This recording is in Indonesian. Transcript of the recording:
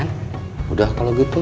sudah kalau gitu